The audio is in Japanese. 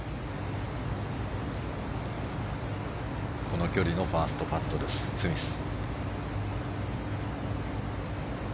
この距離のファーストパットスミス。